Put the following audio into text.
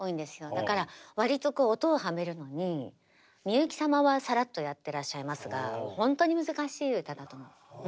だから割と音をハメるのにみゆき様はさらっとやってらっしゃいますがほんとに難しい歌だと思う。